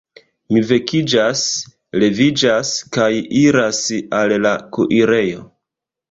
Mi vekiĝas, leviĝas, kaj iras al la kuirejo.